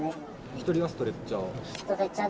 １人がストレッチャー？